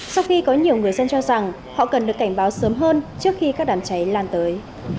sau khi có nhiều người dân cho rằng họ cần được cảnh báo sớm hơn trước khi các đám cháy lan tới